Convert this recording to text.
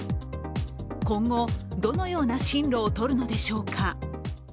今後、どのような進路を取るのでしょうか。